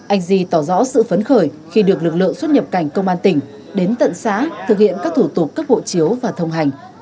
anh di tỏ rõ sự phấn khởi khi được lực lượng xuất nhập cảnh công an tỉnh đến tận xã thực hiện các thủ tục cấp hộ chiếu và thông hành